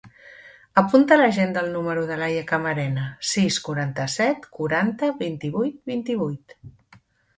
Apunta a l'agenda el número de l'Aya Camarena: sis, quaranta-set, quaranta, vint-i-vuit, vint-i-vuit.